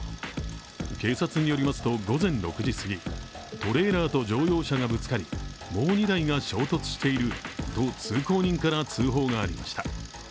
警察によりますと、午前６時すぎトレーラーと乗用車がぶつかり、もう２台が衝突していると通行人から通報がありました。